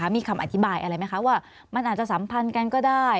มีคำอธิบายอะไรไหมคะว่ามันอาจจะสัมพันธ์กันก็ได้